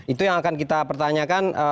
itu yang akan kita pertanyakan